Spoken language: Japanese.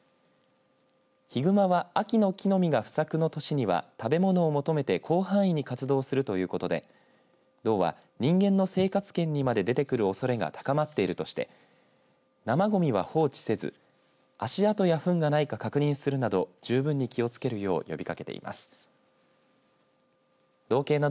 ヒグマは秋の木の実が不作の年には食べ物を求めて広範囲に活動するということで道は人間の生活圏にまで出てくる可能性が高まっているとして生ゴミは放置せず足跡やふんがないか確認するなど十分に気をつけるよう呼びかけています。